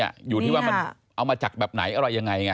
อยู่ที่ว่ามันเอามาจากแบบไหนอะไรยังไง